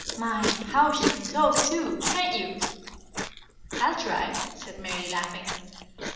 My, how she can talk, too! Can't you?" "I'll try," said Mary, laughing.